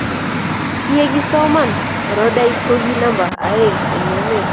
Kiyekisoma oradait ko ki namba oeng eng emet.